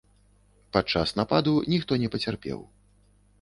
Падчас нападу ніхто не пацярпеў.